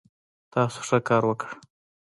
تاسو ښه کار وکړ